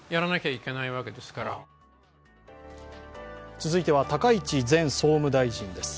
続いては高市前総務大臣です。